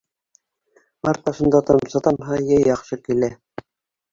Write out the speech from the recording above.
Март башында тамсы тамһа, йәй яҡшы килә.